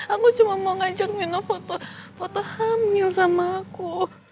aku cuma mau ngajak nino foto hamil sama aku